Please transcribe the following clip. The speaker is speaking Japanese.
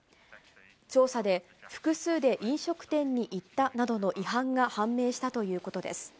調査で複数で飲食店に行ったなどの違反が判明したということです。